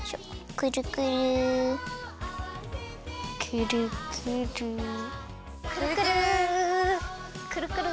くるくるくるくるくるくるくるくる。